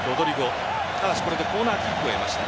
ただし、これでコーナーキックを得ました。